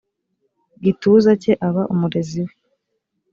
gituza cye aba umurezi we